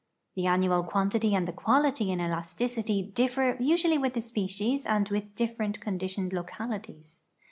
The annual ((uantity and the quality in elasticity ditler usually with the species and with dififerent conditioned localities.